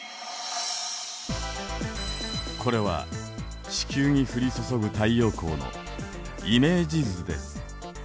これは地球に降り注ぐ太陽光のイメージ図です。